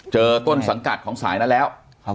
ต้นสังกัดของสายนั้นแล้ว